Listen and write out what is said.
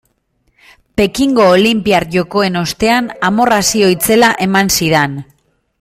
Pekingo olinpiar jokoen ostean amorrazio itzela eman zidan.